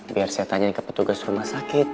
biar saya tanya ke petugas rumah sakit